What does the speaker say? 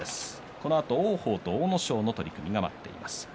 このあと王鵬と阿武咲の取組が待っています。